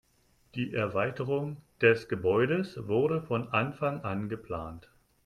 Die Erweiterung des Gebäudes wurde von Anfang an geplant.